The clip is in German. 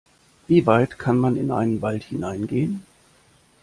Wie weit kann man in einen Wald hineingehen?